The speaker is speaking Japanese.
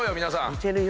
皆さん。